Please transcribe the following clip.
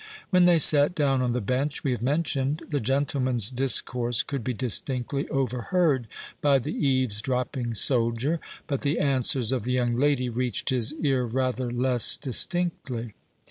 When they sate down on the bench we have mentioned, the gentleman's discourse could be distinctly overheard by the eavesdropping soldier, but the answers of the young lady reached his ear rather less distinctly.